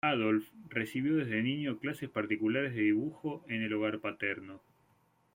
Adolph recibió desde niño clases particulares de dibujo en el hogar paterno.